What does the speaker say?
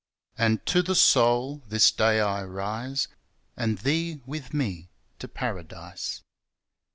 And to the Soul : This day I rise And thee with Me to Paradise.